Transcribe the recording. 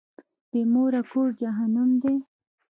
بی موره کور جهنم دی.